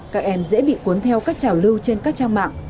các em dễ bị cuốn theo các trảo lưu trên các trang mạng